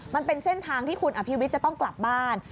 มันเป็นเส้นทางที่คุณอภิวิตจะต้องกลับบ้าน